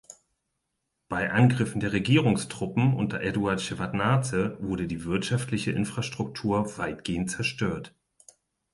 Bei Angriffen der Regierungstruppen unter Eduard Schewardnadse wurde die wirtschaftliche Infrastruktur weitgehend zerstört.